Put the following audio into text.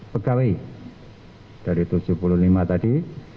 dua puluh empat pegawai dari tujuh puluh lima tadi